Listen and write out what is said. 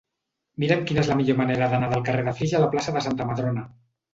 Mira'm quina és la millor manera d'anar del carrer de Flix a la plaça de Santa Madrona.